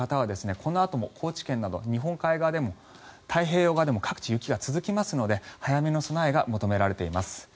このあとも高知県など日本海側でも太平洋側でも各地、雪が続きますので早めの備えが求められています。